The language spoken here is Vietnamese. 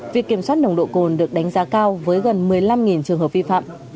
việc kiểm soát nồng độ cồn được đánh giá cao với gần một mươi năm trường hợp vi phạm